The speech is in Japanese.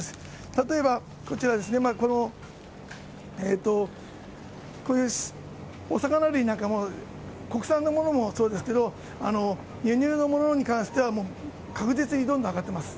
例えばこちらですね、こういうお魚類なんかも、国産のものもそうですけど、輸入のものに関してはもう確実にどんどん上がってます。